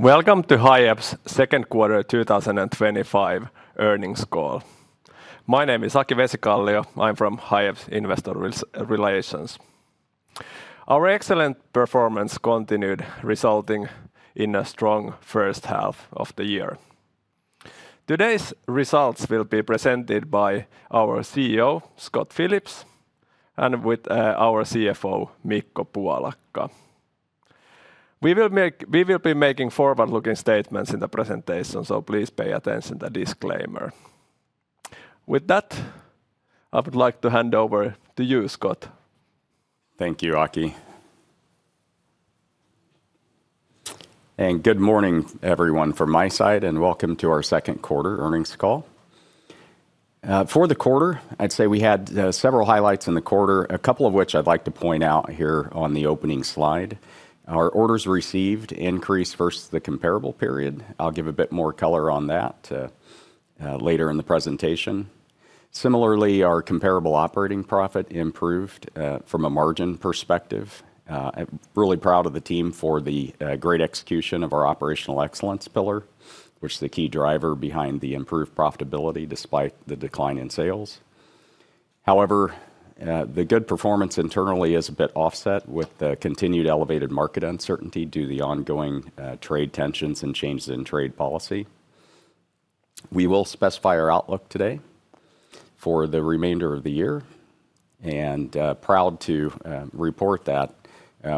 Welcome to Hiab's second quarter 2025 earnings call. My name is Aki Vesikallio, I'm from Hiab's Investor Relations. Our excellent performance continued, resulting in a strong first half of the year. Today's results will be presented by our CEO Scott Phillips and our CFO Mikko Puolakka. We will be making forward-looking statements in the presentation, so please pay attention to the disclaimer. With that, I would like to hand over to you, Scott. Thank you, Aki, and good morning everyone from my side and welcome to our second quarter earnings call for the quarter. I'd say we had several highlights in the quarter, a couple of which I'd like to point out here. On the opening slide, our orders received increased versus the comparable period. I'll give a bit more color on that later in the presentation. Similarly, our comparable operating profit improved from a margin perspective. Really proud of the team for the great execution of our operational excellence pillar, which is the key driver behind the improved profitability despite the decline in sales. However, the good performance internally is a bit offset with the continued elevated market uncertainty due to the ongoing trade tensions and changes in trade policy. We will specify our outlook today for the remainder of the year and proud to report that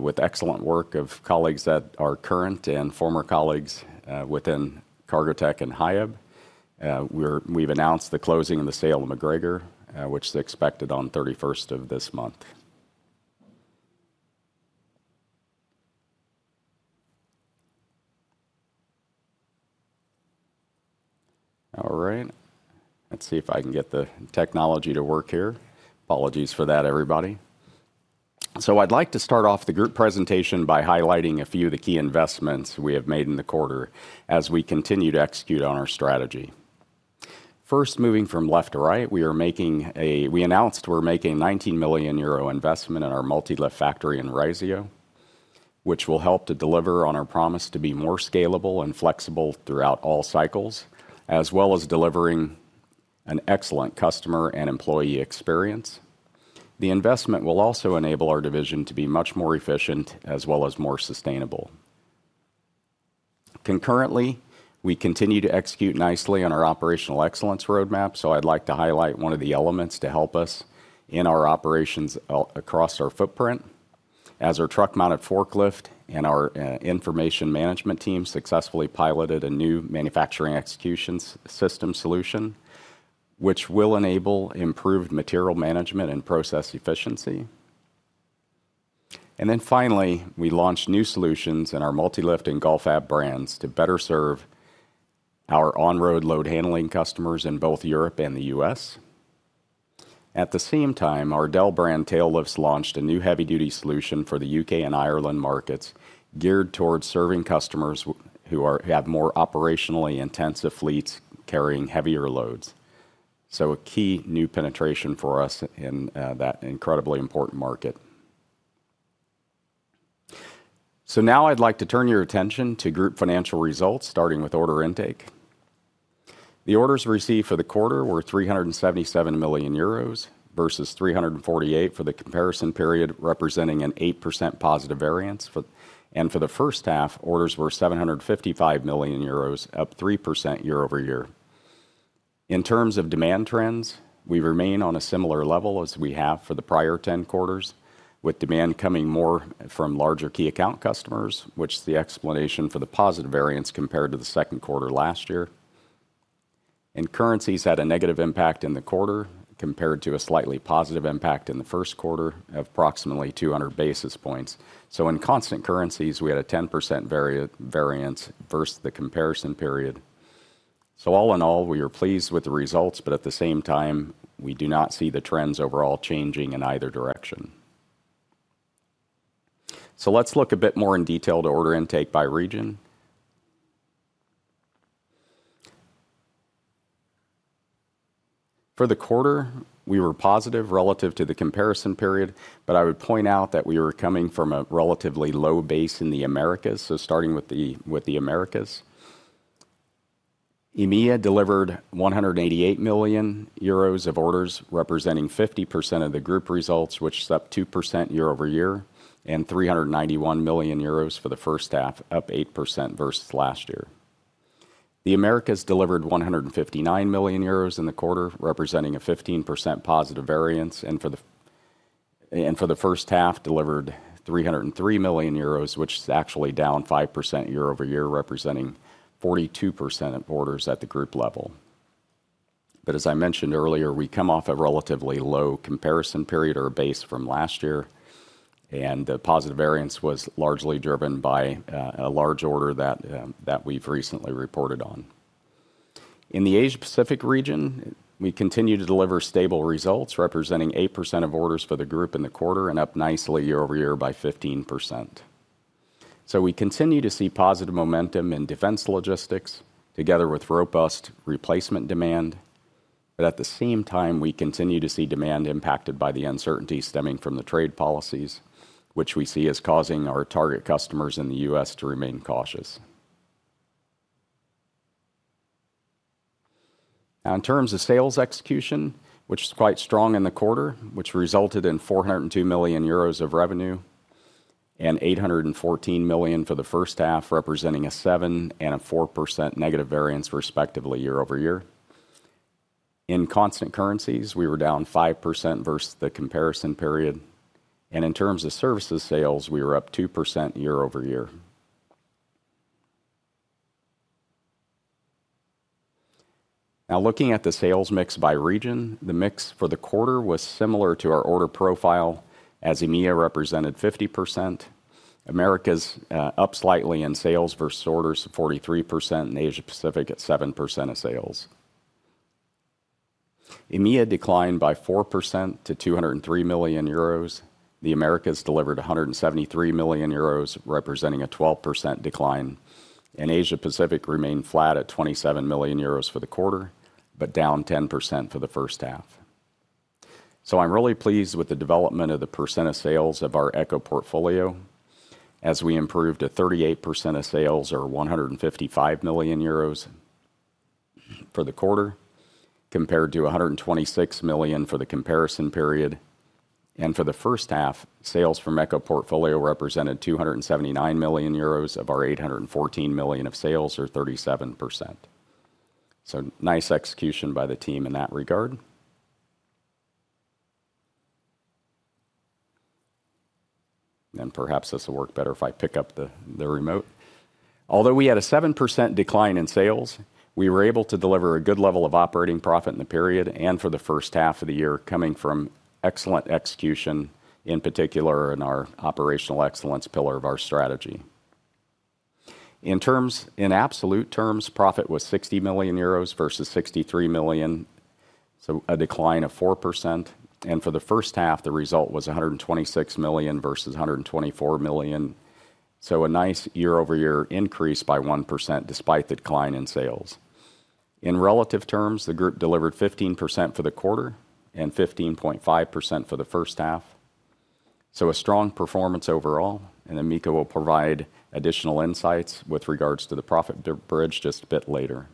with excellent work of colleagues that are current and former colleagues within Cargotec and Hiab, we've announced the closing and the sale of MacGregor, which is expected on the 31st of this month. All right, let's see if I can get the technology to work here. Apologies for that, everybody. I'd like to start off the group presentation by highlighting a few of the key investments we have made in the quarter as we continue to execute on our strategy. First, moving from left to right, we announced we're making a €19 million investment in our MULTILIFT factory in Raisio, which will help to deliver on our promise to be more scalable and flexible throughout all cycles. As well as delivering an excellent customer and employee experience, the investment will also enable our division to be much more efficient as well as more sustainable. Concurrently, we continue to execute nicely on our operational excellence roadmap. I'd like to highlight one of the elements to help us in our operations across our footprint as our truck mounted forklift and our information management team successfully piloted a new manufacturing execution system solution, which will enable improved material management and process efficiency. Finally, we launched new solutions in our MULTILIFT and Golfab brands to better serve our on-road load handling customers in both Europe and the U.S. At the same time, our DEL brand tail lifts launched a new heavy-duty solution for the UK and Ireland markets geared towards serving customers who have more operationally intensive fleets carrying heavier loads. A key new penetration for us in that incredibly important market. Now I'd like to turn your attention to group financial results, starting with order intake. The orders received for the quarter were €377 million versus €348 million for the comparison period, representing an 8% positive variance. For the first half, orders were €755 million, up 3% year over year. In terms of demand trends, we remain on a similar level as we have for the prior 10 quarters, with demand coming more from larger key account customers, which is the explanation for the positive variance compared to the second quarter last year. Currencies had a negative impact in the quarter compared to a slightly positive impact in the first quarter, approximately 200 basis points. In constant currencies, we had a 10% variance versus the comparison period. All in all, we are pleased with the results, but at the same time we do not see the trends overall changing in either direction. Let's look a bit more in detail to order intake by region. For the quarter, we were positive relative to the comparison period, but I would point out that we were coming from a relatively low base in the Americas. Starting with the Americas, EMEA delivered €188 million of orders, representing 50% of the group results, which is up 2% year over year, and €391 million for the first half, up 8% versus last year. The Americas delivered €159 million in the quarter, representing a 15% positive variance. For the first half, delivered €303 million, which is actually down 5% year over year, representing 42% of orders at the group level. As I mentioned earlier, we come off a relatively low comparison period or a base from last year, and the positive variance was largely driven by a large order that we've recently reported on. In the Asia Pacific region, we continue to deliver stable results representing 8% of orders for the group in the quarter and up nicely year over year by 15%. We continue to see positive momentum in defense logistics together with robust replacement demand. At the same time, we continue to see demand impacted by the uncertainty stemming from the trade policies, which we see as causing our target customers in the U.S. to remain cautious in terms of sales execution, which is quite strong in the quarter. This resulted in €402 million of revenue and €814 million for the first half, representing a 7% and a 4% negative variance respectively, year over year. In constant currencies, we were down 5% versus the comparison period and in terms of services sales, we were up 2% year over year. Now, looking at the sales mix by region, the mix for the quarter was similar to our order profile as EMEA represented 50%, Americas up slightly in sales versus orders at 43%. In Asia Pacific, at 7% of sales, EMEA declined by 4% to €203 million. The Americas delivered €173 million, representing a 12% decline, and Asia Pacific remained flat at €27 million for the quarter, but down 10% for the first half. I'm really pleased with the development of the percent of sales of our Eco portfolio as we improved to 38% of sales or €155 million for the quarter compared to €126 million for the comparison period. For the first half, sales from the Eco portfolio represented €279 million of our €814 million of sales or 37%. Nice execution by the team in that regard. Although we had a 7% decline in sales, we were able to deliver a good level of operating profit in the period and for the first half of the year coming from excellent execution, in particular in our operational excellence pillar of our strategy. In absolute terms, profit was €60 million versus €63 million, so a decline of 4%, and for the first half the result was €126 million versus €124 million, so a nice year over year increase by 1% despite the decline in sales. In relative terms, the group delivered 15% for the quarter and 15.5% for the first half, a strong performance overall. Mika will provide additional insights with regards to the profit bridge just a bit later.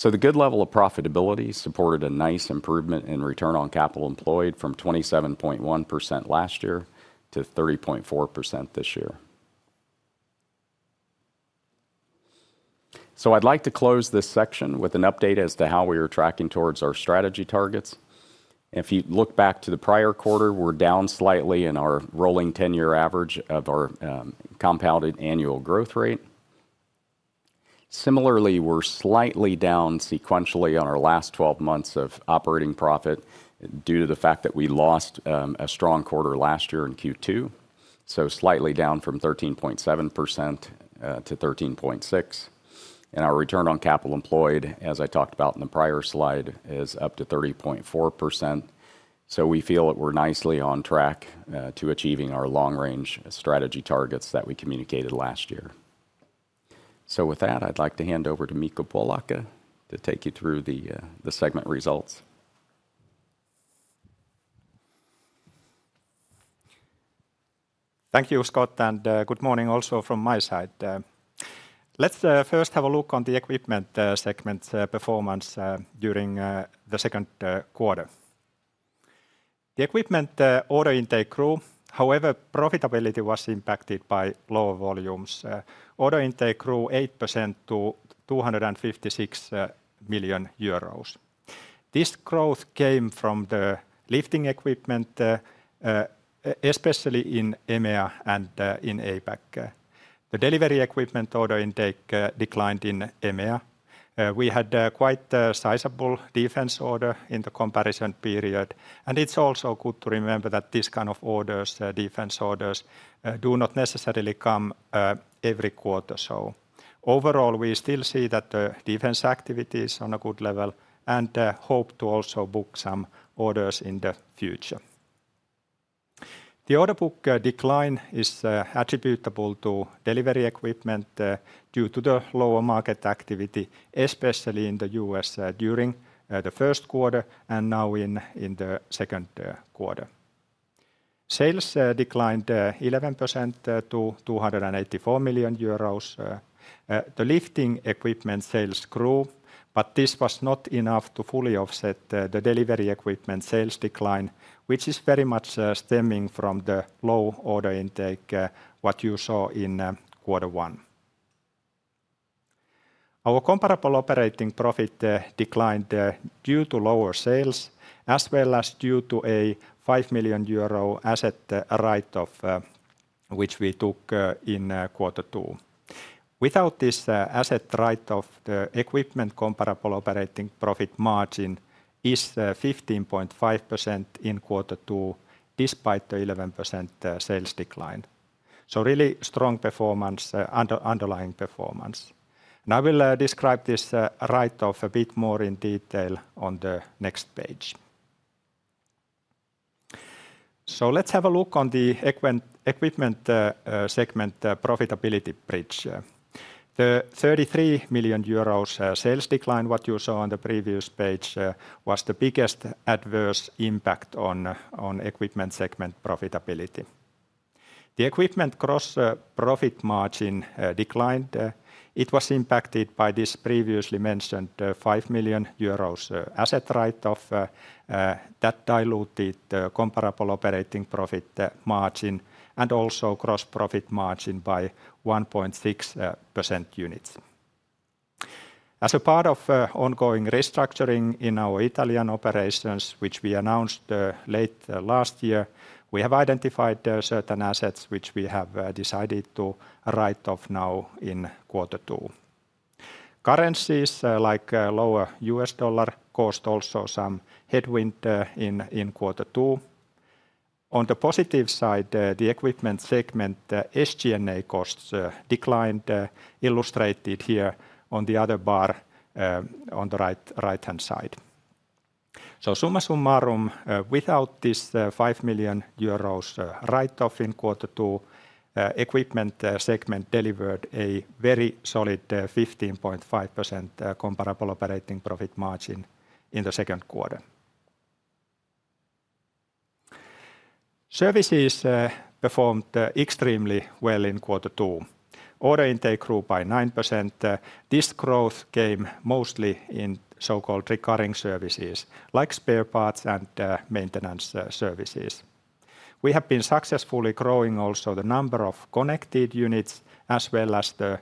The good level of profitability supported a nice improvement in return on capital employed from 27.1% last year to 30.4% this year. I'd like to close this section with an update as to how we are tracking towards our strategy targets. If you look back to the prior quarter, we're down slightly in our rolling 10-year average of our compounded annual growth rate. Similarly, we're slightly down sequentially on our last 12 months of operating profit due to the fact that we lost a strong quarter last year in Q2, so slightly down from 13.7% to 13.6%, and our return on capital employed as I talked about in the prior slide is up to 30.4%. We feel that we're nicely on track to achieving our long range strategy targets that we communicated last year. With that, I'd like to hand over to Mikko Puolakka to take you through the segment results. Thank you Scott and good morning. Also from my side, let's first have a look on the equipment segment performance. During the second quarter the equipment order intake grew. However, profitability was impacted by lower volumes. Order intake grew 8% to €256 million. This growth came from the lifting equipment, especially in EMEA and in Asia Pacific. The delivery equipment order intake declined in EMEA; we had quite sizable defense order in the comparison period. It's also good to remember that this kind of defense orders do not necessarily come every quarter. Overall, we still see that the defense activity is on a good level and hope to also book some orders in the future. The order book decline is attributable to delivery equipment due to the lower market activity, especially in the U.S. During the first quarter and now in the second quarter, sales declined 11% to €284 million. The lifting equipment sales grew, but this was not enough to fully offset the delivery equipment sales decline, which is very much stemming from the low order intake. What you saw in quarter one, our comparable operating profit declined due to lower sales as well as due to a €5 million asset write-off which we took in quarter two. Without this asset write-off, the equipment comparable operating profit margin is 15.5% in Q2, and despite the 11% sales decline. Really strong underlying performance. I will describe this write-off a bit more in detail on the next page. Let's have a look on the equipment segment profitability bridge. The €33 million sales decline, what you saw on the previous page, was the biggest adverse impact on equipment segment profitability. The equipment gross profit margin declined. It was impacted by this previously mentioned €5 million asset write-off that diluted comparable operating profit margin and also gross profit margin by 1.6% units. As a part of ongoing restructuring in our Italian operations, which we announced late last year, we have identified certain assets which we have decided to write off now in quarter two. Currencies like lower U.S. dollar caused also some headwind in quarter two. On the positive side, the equipment segment SG&A costs declined, illustrated here on the other bar on the right hand side. Summa sumarum, without this €5 million write-off in quarter two, equipment segment delivered a very solid 15.5% comparable operating profit margin in the second quarter. Services performed extremely well in quarter two. Order intake grew by 9%. This growth came mostly in so-called recurring services like spare parts and maintenance services. We have been successfully growing also the number of connected units as well as the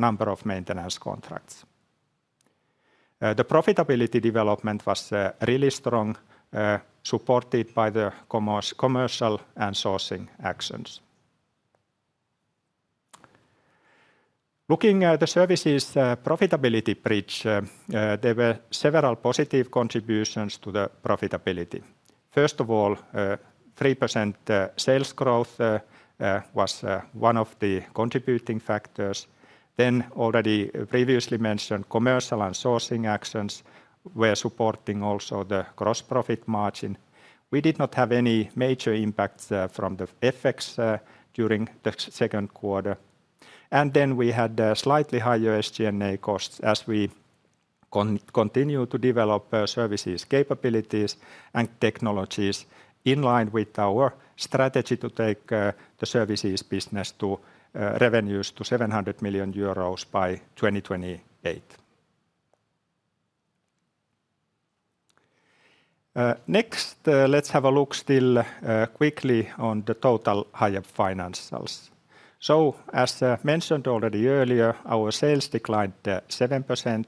number of maintenance contracts. The profitability development was really strong, supported by the commercial and sourcing actions. Looking at the services profitability bridge, there were several positive contributions to the profitability. First of all, 3% sales growth was one of the contributing factors. Already previously mentioned commercial and sourcing actions were supporting also the gross profit margin. We did not have any major impacts from the FX during the second quarter, and we had slightly higher SG&A costs as we continue to develop services capabilities and technologies in line with our strategy to take the services business revenues to €700 million by 2020. Next, let's have a look still quickly on the total Hiab financials. As mentioned already earlier, our sales declined 7%.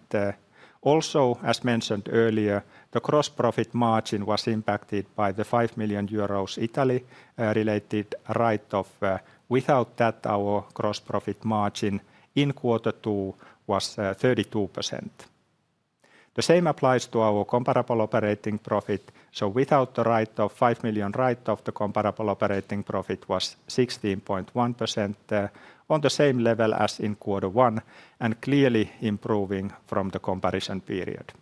Also, as mentioned earlier, the gross profit margin was impacted by the €5 million Italy-related asset write-off. Without that, our gross profit margin in quarter two was 32%. The same applies to our comparable operating profit. Without the €5 million write-off, the comparable operating profit was 16.1%, on the same level as in quarter one and clearly improving from the comparison period.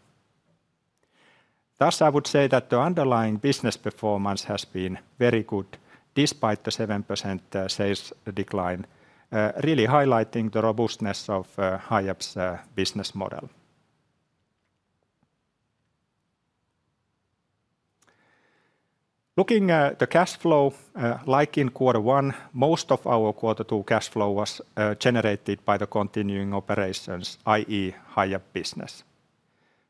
Thus, I would say that the underlying business performance has been very good despite the 7% sales decline, really highlighting the robustness of Hiab's business model. Looking at the cash flow, like in quarter one, most of our quarter two cash flow was generated by the continuing operations, i.e., Hiab business.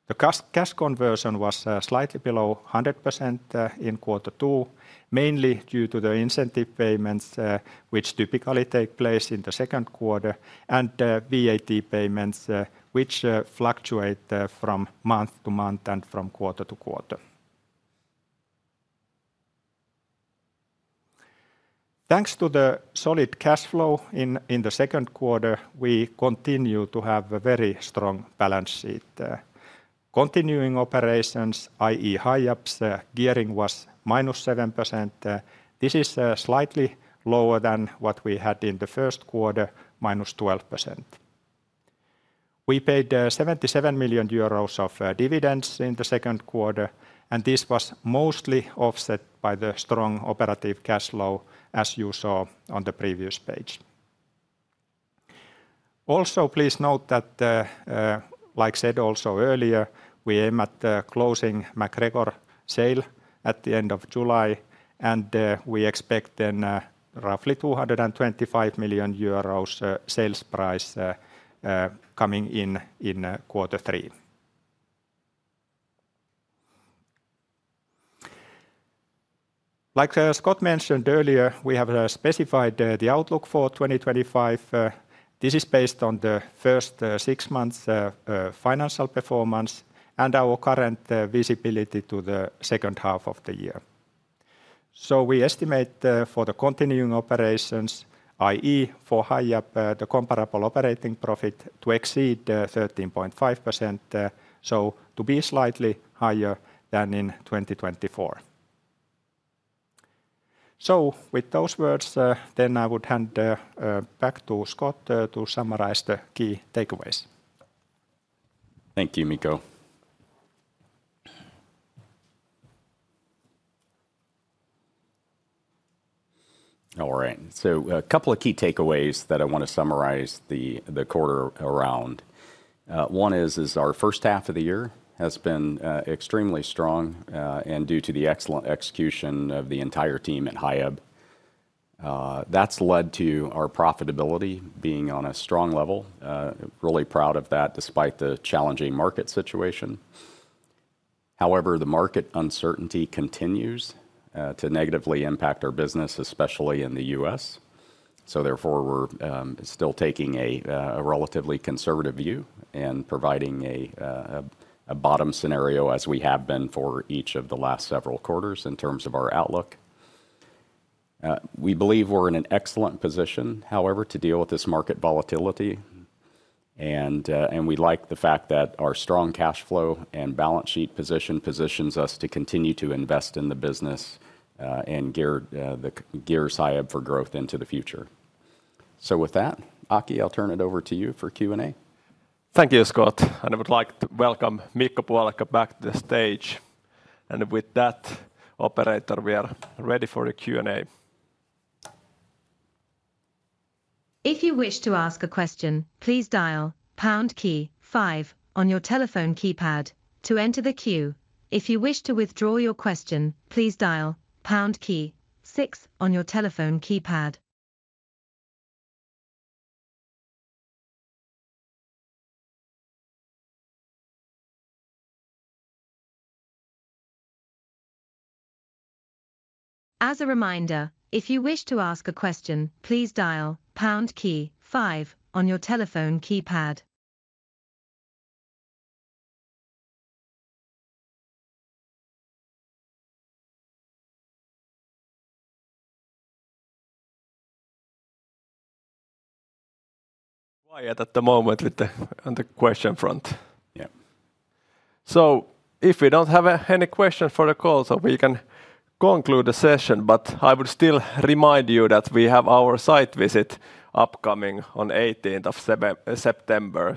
The cash conversion was slightly below 100% in quarter two, mainly due to the incentive payments which typically take place in the second quarter and VAT payments which fluctuate from month to month and from quarter to quarter. Thanks to the solid cash flow in the second quarter, we continue to have a very strong balance sheet. Continuing operations, i.e., Hiab's gearing, was -7%. This is slightly lower than what we had in the first quarter, -12%. We paid €77 million of dividends in the second quarter, and this was mostly offset by the strong operative cash flow as you saw on the previous page. Also please note that, like said earlier, we aim at closing the MacGregor sale at the end of July, and we expect then roughly €225 million sales price coming in in quarter three. Like Scott mentioned earlier, we have specified the outlook for 2025. This is based on the first six months financial performance and our current visibility to the second half of the year. We estimate for the continuing operations, that is for Hiab, the comparable operating profit to exceed 13.5%, to be slightly higher than in 2024. With those words, I would hand back to Scott to summarize the key takeaways. Thank you, Mikko. All right, so a couple of key takeaways that I want to summarize the quarter around. One is our first half of the year has been extremely strong and due to the excellent execution of the entire team at Hiab, that's led to our profitability being on a strong level. Really proud of that. Despite the challenging market situation, however, the market uncertainty continues to negatively impact our business, especially in the U.S. Therefore, we're still taking a relatively conservative view and providing a bottom scenario as we have been for each of the last several quarters in terms of our outlook. We believe we're in an excellent position, however, to deal with this market volatility and we like the fact that our strong cash flow and balance sheet position positions us to continue to invest in the business and gear Hiab for growth into the future. With that, Aki, I'll turn it over to you for Q and A. Thank you. Scott and I would like to welcome Mikko Puolakka back to the stage. With that, operator, we are ready for the Q and A. If you wish to ask a question, please dial on your telephone keypad to enter the queue. If you wish to withdraw your question, please dial 6 on your telephone keypad. As a reminder, if you wish to ask a question, please dial on your telephone keypad. Quiet at the moment on the question front. If we don't have any questions for the call, we can conclude the session. I would still remind you that we have our site visit upcoming on 18th of September.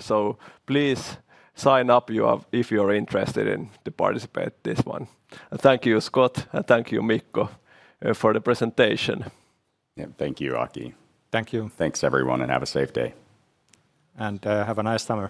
Please sign up if you are interested to participate in this one. Thank you Scott. Thank you Mikko for the presentation. Thank you, Aki. Thank you. Thanks everyone and have a safe day. Have a nice summer.